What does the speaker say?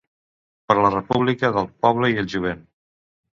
Per la república del poble i el jovent.